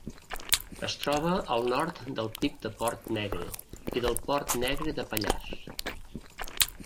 Es troba al nord del Pic de Port Negre i del Port Negre de Pallars.